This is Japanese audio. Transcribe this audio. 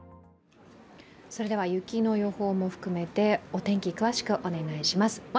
雪の予報も含めて、お天気、詳しくお願いします。